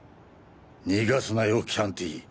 逃がすなよキャンティ！